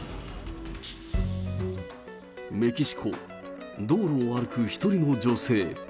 メキシコ、道路を歩く１人の女性。